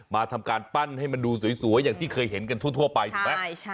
ทำการปั้นให้มันดูสวยอย่างที่เคยเห็นกันทั่วไปถูกไหม